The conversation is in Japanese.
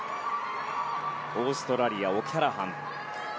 オーストラリア、オキャラハン。